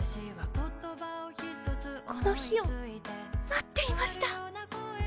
この日を待っていました。